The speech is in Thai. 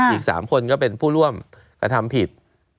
อีก๓คนก็เป็นผู้ร่วมกระทำผิด